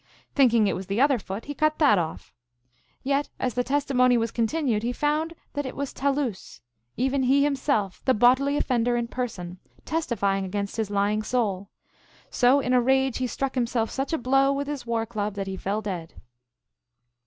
Thinking it was the other foot, he cut that off ; yet as the testimony was continued, he found that it was Ta loosc, even he himself, the bodily offender in person, testifying against his lying soul. So in a rage he struck himself such a blow with his war club that he fell dead.